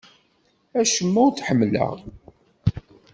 Acemma ur t-ḥemmleɣ.